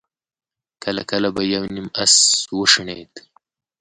کله کله به يو نيم آس وشڼېد.